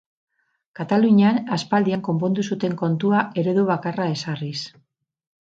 Katalunian aspaldian konpondu zuten kontua eredu bakarra ezarriz.